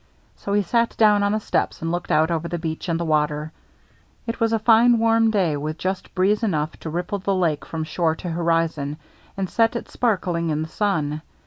So he sat down on the steps and looked out over the beach and the water. It was a fine warm day, with just breeze enough to ripple the lake from shore to hori zon, and set it sparkling in the sun.